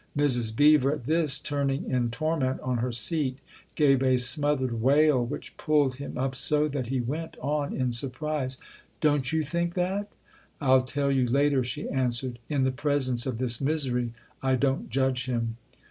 Mrs. Beever, at this, turning in torment on her seat, gave a smothered wail which pulled him up so that he went on in surprise :" Don't you think that ?" "I'll tell you later," she answered. "In the presence of this misery I don't judge him.